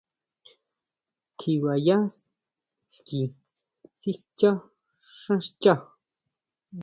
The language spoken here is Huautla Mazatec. Tjiba yá ski sischa xán xchá.